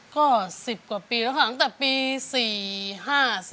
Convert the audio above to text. ก็๑๐กว่าปีแล้วค่ะตั้งแต่ปี๔๕๔